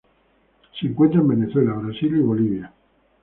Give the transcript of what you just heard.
Se encuentra en Venezuela, Brasil y Bolivia.